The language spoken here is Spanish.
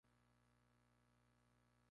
Siente algo por Yui.